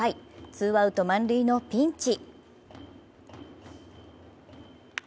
ツーアウト満塁のピンチ。